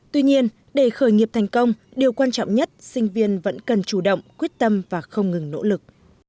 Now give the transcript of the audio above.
tuy nhiên để khởi nghiệp thành công điều quan trọng nhất sinh viên vẫn cần chủ động quyết tâm và không ngừng nỗ lực